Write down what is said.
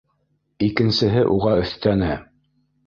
Икенсеһе уға өҫтәне: